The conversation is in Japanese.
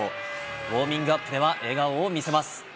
ウォーミングアップでは、笑顔を見せます。